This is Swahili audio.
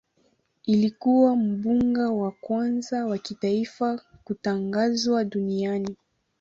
Ilikuwa mbuga ya kwanza wa kitaifa kutangazwa duniani.